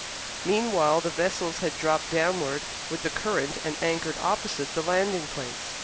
Meanwhile the vessels had dropped downward with the current and anchored opposite the landing place.